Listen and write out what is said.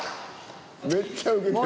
めっちゃウケてる。